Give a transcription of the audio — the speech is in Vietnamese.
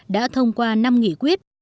đã thông qua năm nghị quyết